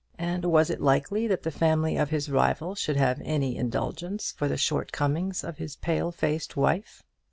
and was it likely that the family of his rival should have any indulgence for the shortcomings of his pale faced wife?